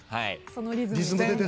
そのリズム。